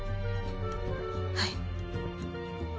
はい。